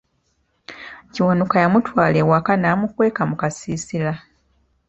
Kiwanuka yamutwala ewaka n'amukweka mu kasiisira.